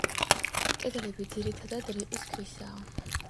კედლები ძირითადად რიყის ქვისაა.